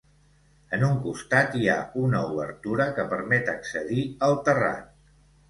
En un costat hi ha una obertura que permet accedir al terrat.